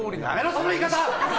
その言い方！